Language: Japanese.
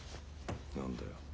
何だよ